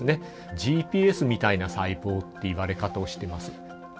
ＧＰＳみたいな細胞って言われ方をしています。